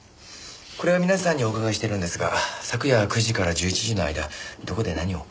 これは皆さんにお伺いしてるんですが昨夜９時から１１時の間どこで何を？